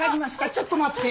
ちょっと待って。